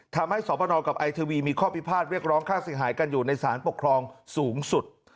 ทำให้สอบประนกับไอทีวีมีข้อพิพาทเรียกร้องค่าเสียหายกันอยู่ในสารปกครองสูงสุด